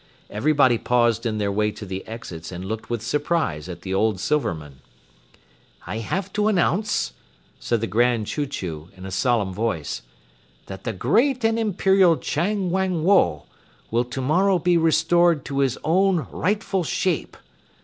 Everybody paused in their way to the exits and looked with surprise at the old Silverman. "I have to announce," said the Grand Chew Chew in a solemn voice, "that the Great and Imperial Chang Wang Woe will tomorrow be restored to his own rightful shape.